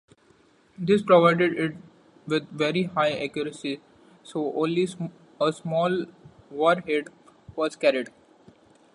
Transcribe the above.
This provided it with very high accuracy, so only a small warhead was carried.